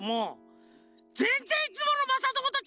ぜんぜんいつものまさともとちがうでしょう！